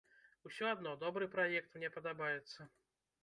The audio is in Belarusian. Усё адно добры праект, мне падабаецца.